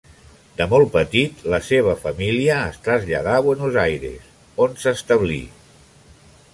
De molt petit la seva família es traslladà a Buenos Aires, on s'establí.